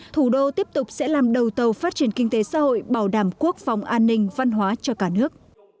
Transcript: thủ đô tiếp tục sẽ làm đầu tàu phát triển kinh tế xã hội bảo đảm quốc phòng an ninh văn hóa cho cả nước